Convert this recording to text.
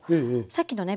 さっきのね